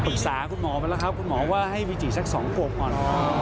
ปรึกษาคุณหมอไปแล้วครับคุณหมอว่าให้วิจิสัก๒ขวบก่อน